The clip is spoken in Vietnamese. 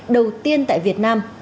đầu tiên tại việt nam